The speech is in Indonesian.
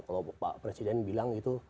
kalau pak presiden bilang itu